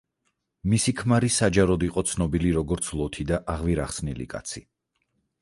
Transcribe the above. მისი ქმარი საჯაროდ იყო ცნობილი, როგორც ლოთი და აღვირახსნილი კაცი.